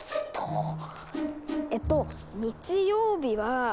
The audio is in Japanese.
えっと日曜日は。